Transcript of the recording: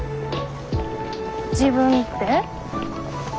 自分って？